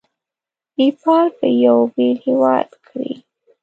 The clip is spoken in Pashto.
نیپال به یو بېل هیواد کړي.